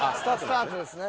スタートですね。